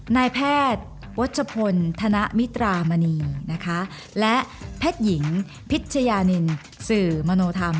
นายแพทย์วัชพลธนมิตรามณีนะคะและแพทย์หญิงพิชยานินสื่อมโนธรรม